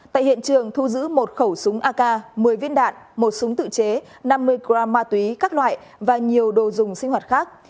tại hiện trường thu giữ một khẩu súng ak một mươi viên đạn một súng tự chế năm mươi gram ma túy các loại và nhiều đồ dùng sinh hoạt khác